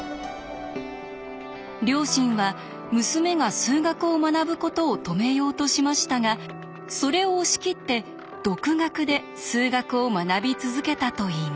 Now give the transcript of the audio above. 両親は娘が数学を学ぶことを止めようとしましたがそれを押し切って独学で数学を学び続けたといいます。